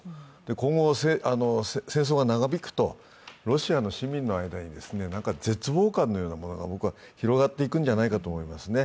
今後、戦争が長引くとロシアの市民の間に絶望感のようなものが広がっていくんじゃないかと思いますね。